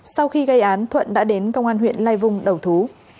sau khi gây án thuận đã đến công an huyện lai vung đầu thú